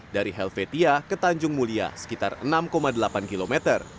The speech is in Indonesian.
dari helvetia ke tanjung mulia sekitar enam delapan km